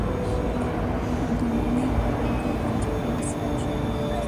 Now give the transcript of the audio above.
na Tanzania ni ukweli kuwa katika saa ishirini